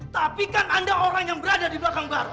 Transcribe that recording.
tapi kan anda orang yang berada di belakang baru